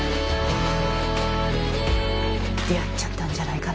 「出会っちゃったんじゃないかな」